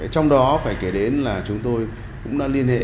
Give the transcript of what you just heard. trong đó phải kể đến là chúng tôi cũng đã liên hệ